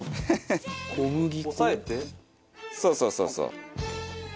そうそうそうそう。